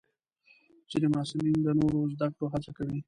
ځینې محصلین د نوو زده کړو هڅه کوي.